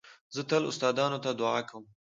زه تل استادانو ته دؤعا کوم.